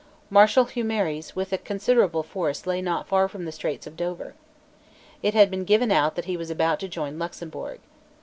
Marshal Humieres with a considerable force lay not far from the Straits of Dover. It had been given out that he was about to join Luxemburg.